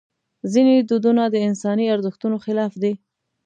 ځینې دودونه د انساني ارزښتونو خلاف دي.